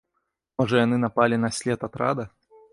Можа яны напалі на след атрада?